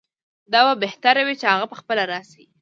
دا به بهتره وي چې هغه پخپله راشي.